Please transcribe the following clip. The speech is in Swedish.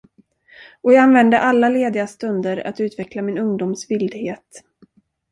Och jag använde alla lediga stunder att utveckla min ungdoms vildhet.